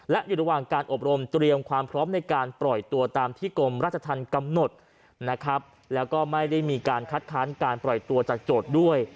และอยู่ระหว่างการอบรมเตรียมความพร้อมในการปล่อยตัวตามที่กรมราชธรรมกำหนดนะครับแล้วก็ไม่ได้มีการคัดค้านการปล่อยตัวจากโจทย์ด้วย